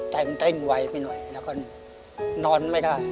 แต่มันเต้นไวไปหน่อยแล้วก็นอนไม่ได้